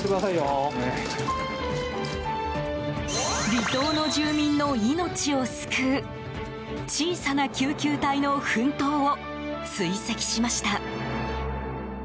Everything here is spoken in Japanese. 離島の住民の命を救う小さな救急隊の奮闘を追跡しました。